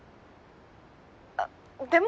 あっでも。